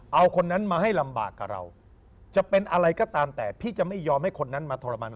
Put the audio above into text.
เอาคนนั้นมาให้ลำบากกับเราจะเป็นอะไรก็ตามแต่พี่จะไม่ยอมให้คนนั้นมาทรมาน